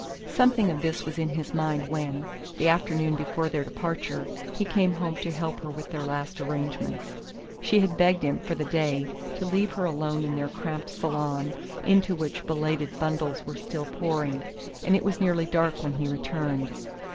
Something of this was in his mind when, the afternoon before their departure, he came home to help her with their last arrangements. She had begged him, for the day, to leave her alone in their cramped salon, into which belated bundles were still pouring; and it was nearly dark when he returned.